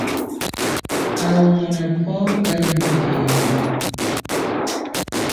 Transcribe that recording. Au mwano pwo kali mupema.